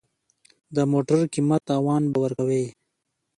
د موټر قیمت تاوان به ورکوې.